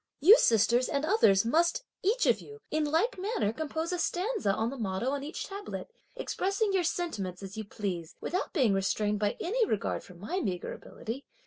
You sisters and others must, each of you, in like manner compose a stanza on the motto on each tablet, expressing your sentiments, as you please, without being restrained by any regard for my meagre ability.